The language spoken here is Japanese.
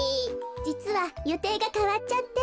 じつはよていがかわっちゃって。